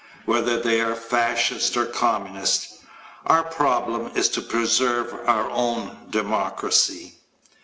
Whether they are Fascists or Communists? Our problem is to preserve our own democracy.